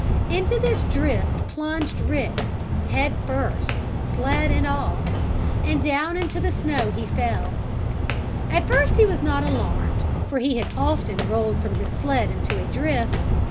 Into this drift plunged Rick, head first, sled and all. And down into the soft snow he fell. At first he was not alarmed, for he had often rolled from his sled into a drift.